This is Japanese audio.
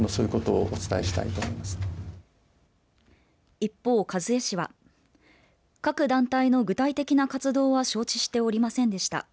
一方、一衛氏は各団体の具体的な活動は承知しておりませんでした。